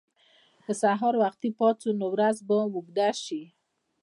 که سهار وختي پاڅو، نو ورځ به اوږده شي.